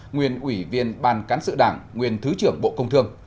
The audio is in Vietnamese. nguyên ủy viên ban cán sự đảng nguyên thứ trưởng bộ công thương